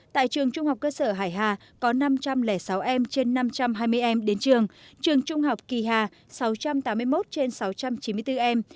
tại trường trung học cơ sở hải hà có năm trăm linh sáu em trên năm trăm hai mươi em đến trường trường trung học kỳ hà sáu trăm tám mươi một trên sáu trăm chín mươi bốn em